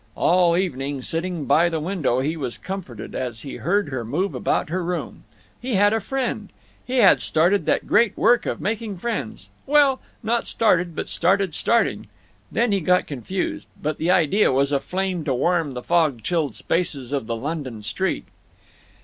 All evening, sitting by the window, he was comforted as he heard her move about her room. He had a friend. He had started that great work of making friends—well, not started, but started starting—then he got confused, but the idea was a flame to warm the fog chilled spaces of the London street.